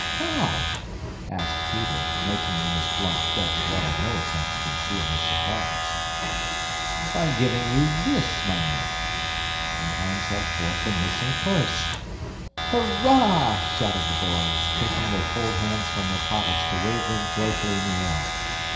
"How?" asked Peter, making, in his blunt Dutch way, no attempt to conceal his surprise. "By giving you THIS, mynheer." And Hans held forth the missing purse. "Hurrah!" shouted the boys, taking their cold hands from their pockets to wave them joyfully in the air.